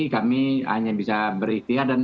kami hanya bisa berikhtiar dan